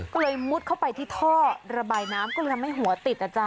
ก็เลยมุดเข้าไปที่ท่อระบายน้ำก็เลยทำให้หัวติดนะจ๊